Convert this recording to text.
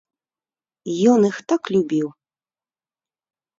Ён іх так любіў.